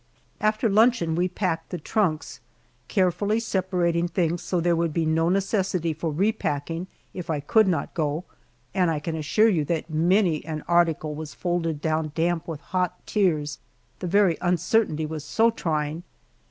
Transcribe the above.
After luncheon we packed the trunks, carefully separating things so there would be no necessity for repacking if I could not go, and I can assure you that many an article was folded down damp with hot tears the very uncertainty was so trying.